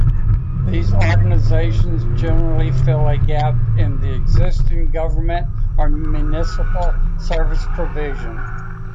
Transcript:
These organizations generally fill a gap in the existing government or municipal service provision.